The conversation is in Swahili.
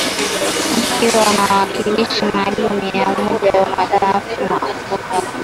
Akiwa na mwakilishi maalum wa Umoja wa mataaifa, Volker Perthes